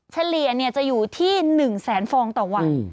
เฉลี่ยจะอยู่ที่๑แสนฟองต่อวัน